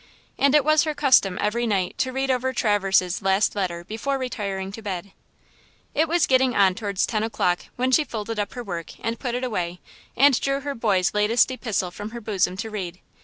And it was her custom every night to read over Traverse's last letter before retiring to bed. It was getting on toward ten o'clock when she folded up her work and put it away and drew her boy's latest epistle from her bosom to read.